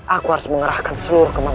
aku harus mengerahkan seluruh kemampuan